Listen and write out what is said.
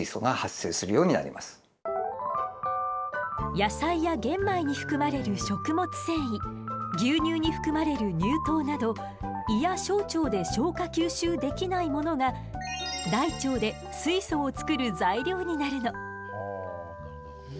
野菜や玄米に含まれる「食物繊維」牛乳に含まれる「乳糖」など胃や小腸で消化吸収できないものが大腸で水素を作る材料になるの。